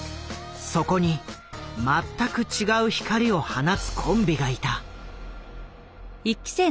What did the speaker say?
そこに全く違う光を放つコンビがいた。